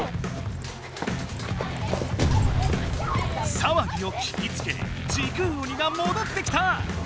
さわぎを聞きつけ時空鬼がもどってきた！